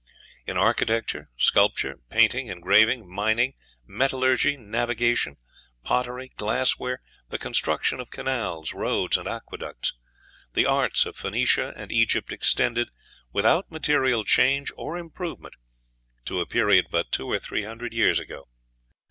In architecture, sculpture, painting, engraving, mining, metallurgy, navigation, pottery, glass ware, the construction of canals, roads, and aqueducts, the arts of Phoenicia and Egypt extended, without material change or improvement, to a period but two or three hundred years ago.